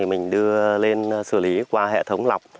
mình đưa lên xử lý qua hệ thống lọc